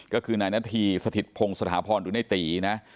ก็คือนายนาธีสถิตพงศ์สถาพรหรือในตีนะ